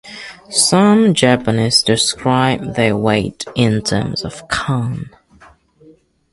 Some Japanese describe their weight in terms of "kan".